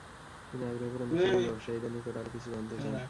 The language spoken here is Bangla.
তিনি আগ্রহ ভরে মুসলমান ব্যাবসায়ীদের নিকট আরো কিছু জানতে চান।